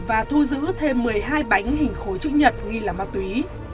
và thu giữ thêm một mươi hai bánh hình khối chữ nhật nghi là ma túy